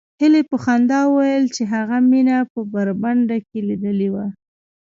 هیلې په خندا وویل چې هغه مینه په برنډه کې لیدلې وه